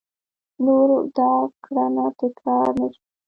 نور دا کړنه تکرار نه شي !